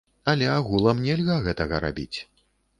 Але агулам нельга гэтага рабіць.